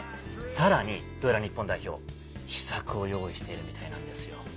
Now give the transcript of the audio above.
さらにどうやら日本代表秘策を用意しているみたいなんですよ。